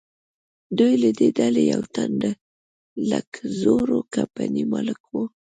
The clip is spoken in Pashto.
دوی له دې ډلې یو تن د لکزور کمپنۍ مالک و.